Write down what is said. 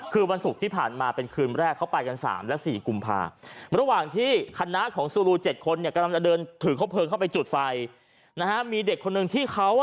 คือวันศุกร์ที่ผ่านมาเป็นคืนแรกเข้าไปกัน๓๔กลุ่มพา